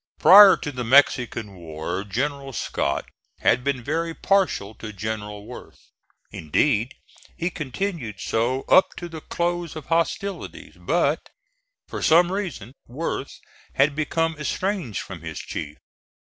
Prior to the Mexican war General Scott had been very partial to General Worth indeed he continued so up to the close of hostilities but, for some reason, Worth had become estranged from his chief.